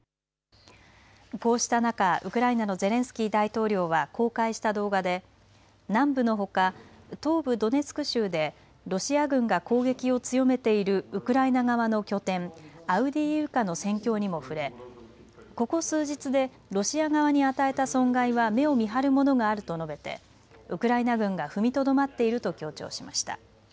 こうした中、ウクライナのゼレンスキー大統領は公開した動画で南部のほか東部ドネツク州でロシア軍が攻撃を強めているウクライナ側の拠点、アウディーイウカの戦況にも触れここ数日でロシア側に与えた損害は目を見張るものがあると述べてウクライナ軍が踏みとどまっていると強調しました。